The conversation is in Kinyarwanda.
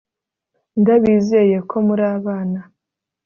ndabizeye ko muri abana